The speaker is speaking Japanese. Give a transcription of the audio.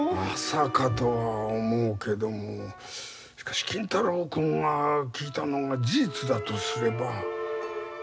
まさかとは思うけどもしかし金太郎君が聞いたのが事実だとすれば。